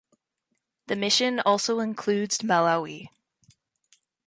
The mission also includes Malawi.